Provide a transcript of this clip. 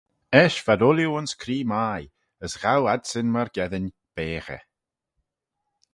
Eisht v'ad ooilley ayns cree mie, as ghow adsyn myrgeddin beaghey.